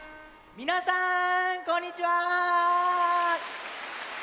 みなさんこんにちは！